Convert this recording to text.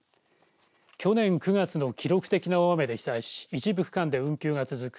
去年９月の記録的な大雨で被災し一部区間で運休が続く